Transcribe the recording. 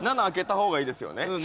７開けた方がいいですよね。